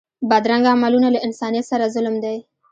بدرنګه عملونه له انسانیت سره ظلم دی